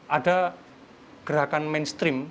ada gerakan mainstream